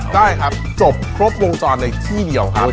ได้ครับจบครบวงจรในที่เดียวครับ